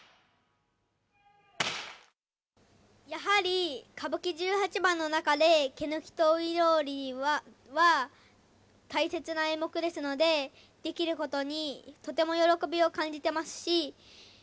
やはり歌舞伎十八番の中で毛抜と外郎売は大切な演目ですので、できることにとても喜びを感じてますし。